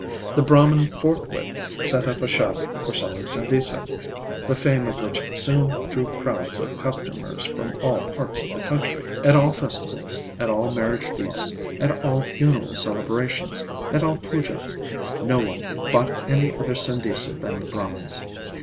The Brahman forthwith set up a shop for selling sandesa, the fame of which soon drew crowds of customers from all parts of the country. At all festivals, at all marriage feasts, at all funeral celebrations, at all Pujas, no one bought any other sandesa than the Brahman's.